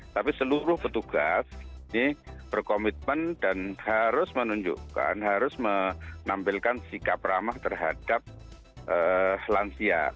tapi seluruh petugas ini berkomitmen dan harus menunjukkan harus menampilkan sikap ramah terhadap lansia